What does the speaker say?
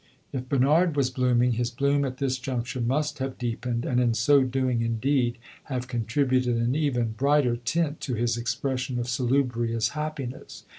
If Bernard was blooming, his bloom at this juncture must have deepened, and in so doing indeed have contributed an even brighter tint to his expression of salubrious happiness.